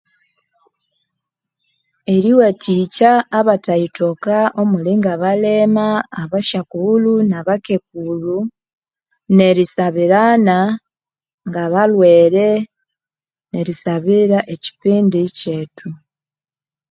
Eriwathikya abathe yithoka omuli nga abalema, abashakulhu na bakekulhu, nerisabirana ngabalhwere, erisabira ekyipindi kyethu.